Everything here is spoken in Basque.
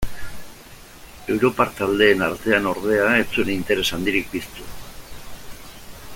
Europar taldeen artean ordea ez zuen interes handirik piztu.